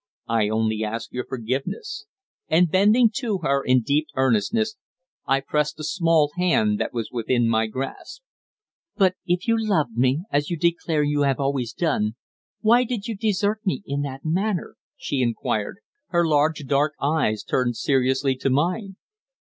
I only ask your forgiveness," and bending to her in deep earnestness, I pressed the small hand that was within my grasp. "But if you loved me, as you declare you have always done, why did you desert me in that manner?" she inquired, her large dark eyes turned seriously to mine.